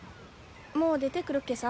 もう出てくるっけさ。